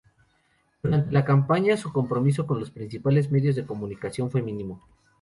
Durante la campaña, su compromiso con los principales medios de comunicación fue mínimo.